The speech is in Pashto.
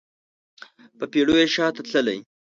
په پیړیو شاته تللی